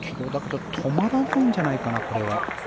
止まらないんじゃないかな。